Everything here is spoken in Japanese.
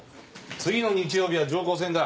次の日曜日は常高戦だ。